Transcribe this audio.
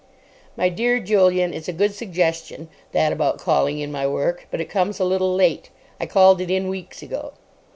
"My dear Julian, it's a good suggestion, that about calling in my work. But it comes a little late. I called it in weeks ago."